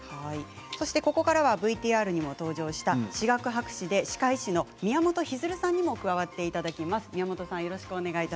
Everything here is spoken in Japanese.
ここからはＶＴＲにも登場した歯学博士で歯科医師の宮本日出さんにも加わっていただきます。